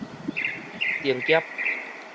定業